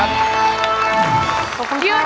เยี่ยม